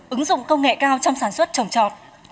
ứng dụng công nghệ cao trong sản xuất trồng trọt